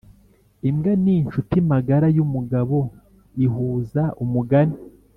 imbwa ninshuti magara yumugabo ihuza umugani